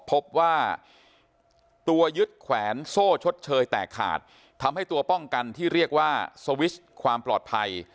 พบว่าตัวยึดแขวนโซ่ชดเชยแตกขาดทำให้ตัวป้องกันที่เรียกว่าสวิชความปลอดภัย